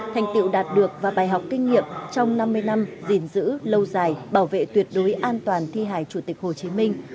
thành tiệu đạt được và bài học kinh nghiệm trong năm mươi năm gìn giữ lâu dài bảo vệ tuyệt đối an toàn thi hài chủ tịch hồ chí minh